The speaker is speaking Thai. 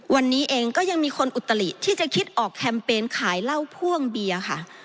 วันนี้เองก็ยังมีคนอุตลิที่จะคิดออกแคมเปญขายเหล้าพ่วงเบียร์ค่ะ